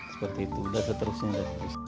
seperti itu dan seterusnya